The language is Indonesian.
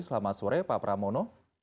selamat sore pak pramono